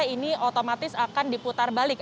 ini otomatis akan diputar balik